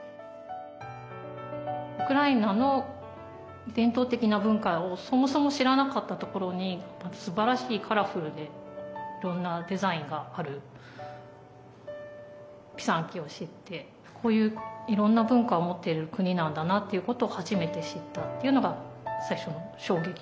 ウクライナの伝統的な文化をそもそも知らなかったところにすばらしいカラフルでいろんなデザインがあるピサンキを知ってこういういろんな文化を持っている国なんだなということを初めて知ったというのが最初の衝撃でした。